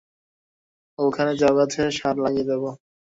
ওখানে ঝাউগাছের সার লাগিয়ে দেব।